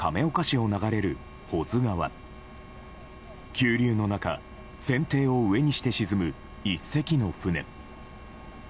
急流の中船底を上にして沈む１隻の船。